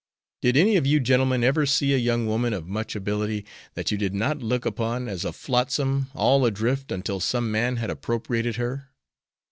Did any of you gentlemen ever see a young woman of much ability that you did not look upon as a flotsam all adrift until some man had appropriated her?"